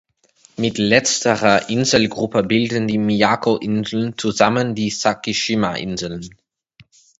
Mit letzterer Inselgruppe bilden die Miyako-Inseln zusammen die Sakishima-Inseln.